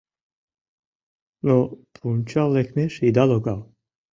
Но пунчал лекмеш ида логал.